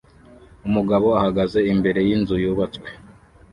Umugabo ahagaze imbere yinzu yubatswe